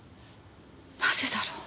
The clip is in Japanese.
なぜだろう。